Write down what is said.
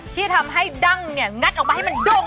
ที่ทำให้ดั้งเนี่ยงัดออกมาให้มันด้ง